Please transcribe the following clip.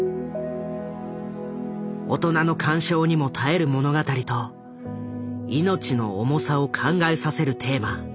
大人の鑑賞にも堪える物語と命の重さを考えさせるテーマ。